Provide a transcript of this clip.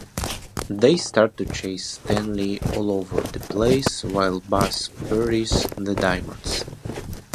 They start to chase Stanley all over the place while Buzz buries the diamonds.